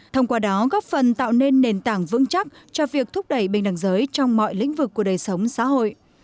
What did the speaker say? thông qua đó góp phần tạo nên nền tảng vững chắc cho việc thúc đẩy bình đẳng giới trong mọi lĩnh vực của đời sống xã hội